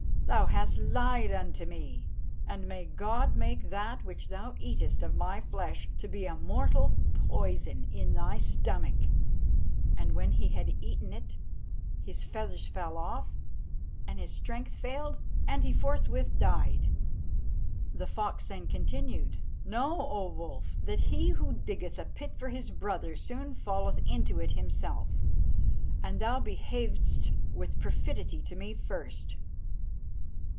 Thou hast lied unto me; and may God make that which thou eatest of my flesh to be a mortal poison in thy stomach!' And when he had eaten it, his feathers fell off, and his strength failed, and he forthwith died." The fox then continued, "Know, O wolf, that he who diggeth a pit for his brother soon falleth into it himself; and thou behavedst with perfidy to me first."